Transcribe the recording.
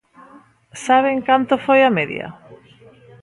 ¿Saben canto foi a media?